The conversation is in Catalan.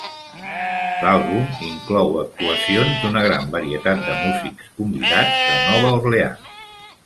L'àlbum inclou actuacions d'una gran varietat de músics convidats de Nova Orleans.